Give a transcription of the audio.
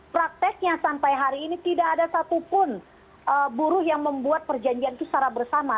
prakteknya sampai hari ini tidak ada satupun buruh yang membuat perjanjian itu secara bersama